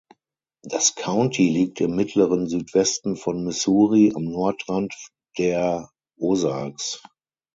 Das County liegt im mittleren Südwesten von Missouri am Nordrand der Ozarks.